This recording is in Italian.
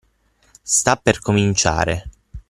Sta per cominciare.